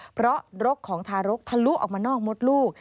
เพราะรกของทารกทะลุออกมานอกมดลูก